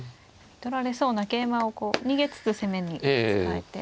取られそうな桂馬を逃げつつ攻めに使えて。